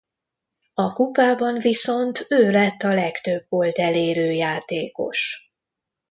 A kupában viszont ő lett a legtöbb gólt elérő játékos.